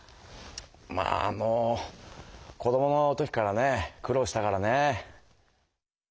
まあもう子どもの時からね苦労したからね。